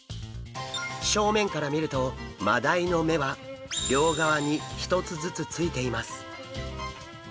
正面から見るとマダイの目は両側に１つずつついています。